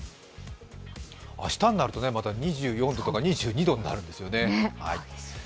明日になるとまた２４度とか２２度になるんですよね。